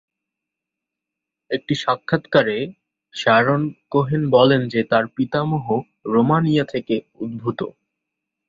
একটি সাক্ষাত্কারে, Sharon Cohen বলেন যে তার পিতামহ রোমানিয়া থেকে উদ্ভূত।